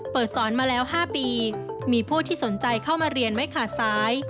สอนมาแล้ว๕ปีมีผู้ที่สนใจเข้ามาเรียนไม่ขาดซ้าย